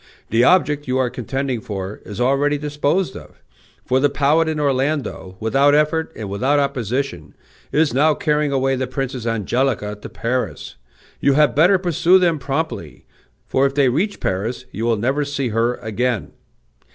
The object you are contending for is already disposed of; for the Paladin Orlando, without effort and without opposition, is now carrying away the princess Angelica to Paris. You had better pursue them promptly; for if they reach Paris you will never see her again."